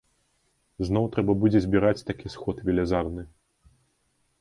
Зноў трэба будзе збіраць такі сход велізарны.